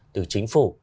từ chính phủ